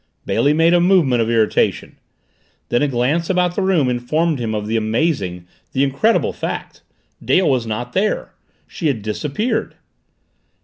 Bailey made a movement of irritation. Then a glance about the room informed him of the amazing, the incredible fact. Dale was not there! She had disappeared!